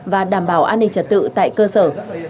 và đảm bảo an ninh trật tự tại cơ sở